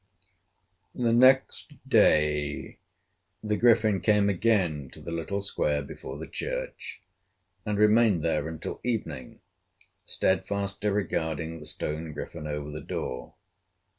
The next day the Griffin came again to the little square before the church, and remained there until evening, steadfastly regarding the stone griffin over the door.